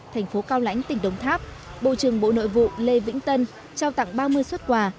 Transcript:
thành phố cao lãnh tỉnh đồng tháp bộ trưởng bộ nội vụ lê vĩnh tân trao tặng ba mươi xuất quà